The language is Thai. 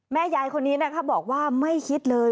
ยายคนนี้นะคะบอกว่าไม่คิดเลย